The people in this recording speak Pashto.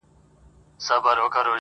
• ځکه دغسي هوښیار دی او قابِل دی..